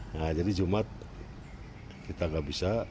nah jadi jumat kita nggak bisa